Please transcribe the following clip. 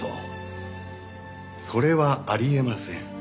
それはあり得ません。